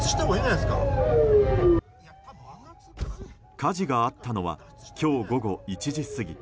火事があったのは今日午後１時過ぎ。